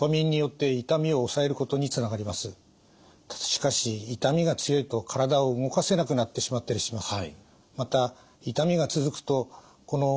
しかし痛みが強いと体を動かせなくなってしまったりします。